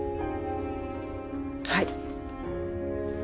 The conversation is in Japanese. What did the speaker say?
はい。